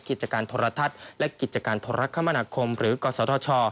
กิจการธรรทัศน์และกิจการธรรคมหรือกษทช